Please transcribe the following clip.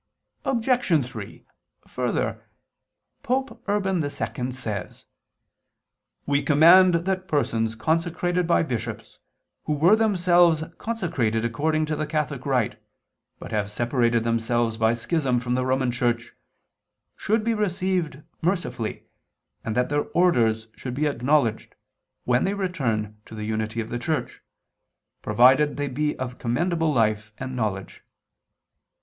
Obj. 3: Further, Pope Urban II [*Council of Piacenza, cap. x; cf. Can. Ordinationes, ix, qu. 1] says: "We command that persons consecrated by bishops who were themselves consecrated according to the Catholic rite, but have separated themselves by schism from the Roman Church, should be received mercifully and that their Orders should be acknowledged, when they return to the unity of the Church, provided they be of commendable life and knowledge."